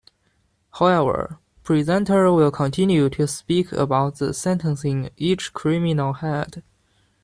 However, presenter will continue to speak about the sentencing each "criminal" had.